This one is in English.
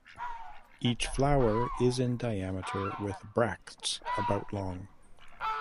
Each flower is in diameter with bracts about long.